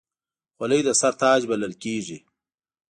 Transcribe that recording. خولۍ د سر تاج بلل کېږي.